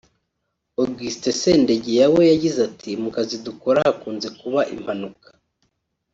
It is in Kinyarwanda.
Augustin Sendegeya we yagize ati ”Mu kazi dukora hakunze kuba impanuka